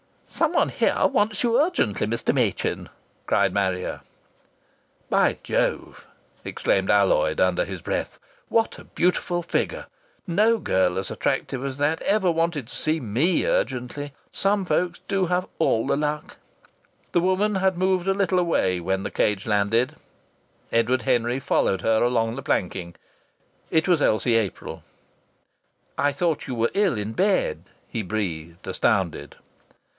"Someone here wants you urgently, Mr. Machin!" cried Marrier. "By Jove!" exclaimed Alloyd under his breath. "What a beautiful figure! No girl as attractive as that ever wanted me urgently! Some folks do have luck!" The woman had moved a little away when the cage landed. Edward Henry followed her along the planking. It was Elsie April. "I thought you were ill in bed," he breathed, astounded.